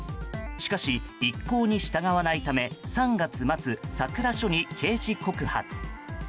しかし、一向に従わないため３月末佐倉署に刑事告発。